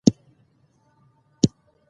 ژبه د تربيي وسیله ده.